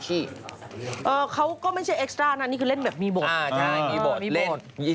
เอ่อเขาก็ไม่ใช่เอกซ์ตร้านะนี่จะเล่นแบบมีบท